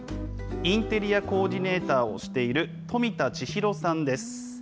インテリアコーディネーターをしている冨田知弘さんです。